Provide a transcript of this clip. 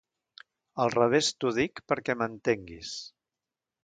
Al revés t'ho dic, perquè m'entenguis.